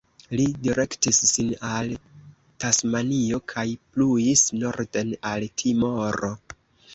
Li direktis sin al Tasmanio kaj pluis norden al Timoro.